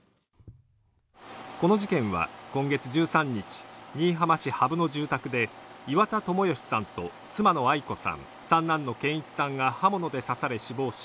この事件は今月１３日新居浜市垣生の住宅で岩田友義さんと妻のアイ子さん、三男の健一さんが刃物で刺され死亡し